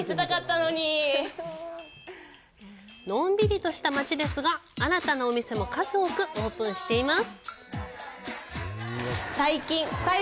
のんびりとした街ですが新たなお店も数多くオープンしています。